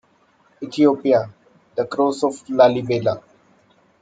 Ethiopia - The Cross of Lalibela.